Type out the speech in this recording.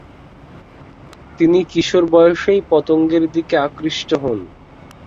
তিনি কিশোর বয়সেই পতঙ্গের দিকে আকৃষ্ট হোন।